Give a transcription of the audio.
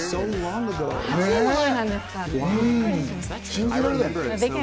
信じられない。